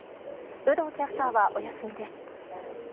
有働キャスターはお休みです。